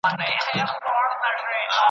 مساپر ستړي پر لار یو ګوندي راسي .